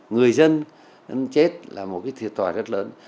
người dân chết là một cái thiệt tòa rất lớn